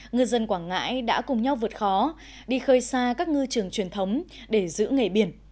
ngư dân quảng ngãi đã cùng nhau vượt khó đi khơi xa các ngư trường truyền thống để giữ nghề biển